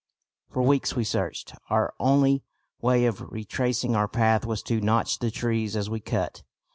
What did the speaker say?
For weeks we searched. Our only way of retracing our path was to notch the trees as we cut.